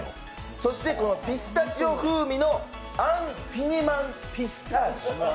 そしてピスタチオ風味のアンフィニマンピスターシュ。